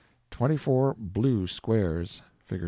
twenty four _blue _squares. (Fig.